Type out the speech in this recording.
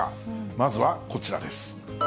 まずはこちらです。